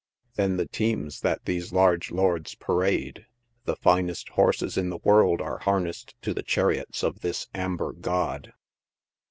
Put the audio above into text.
Then the team3 that these large lords parade ! The finest horses in the world are harnessed to the chariots of this " Amber God!"